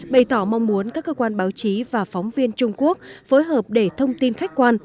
bày tỏ mong muốn các cơ quan báo chí và phóng viên trung quốc phối hợp để thông tin khách quan